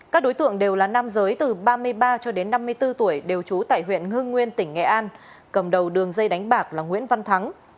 các đối tượng đều là nam giới từ ba mươi ba cho đến năm mươi bốn tuổi đều trú tại huyện hương nguyên tỉnh nghệ an cầm đầu đường dây đánh bạc là nguyễn văn thắng